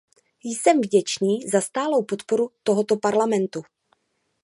Jsem vděčný za stálou podporu tohoto Parlamentu.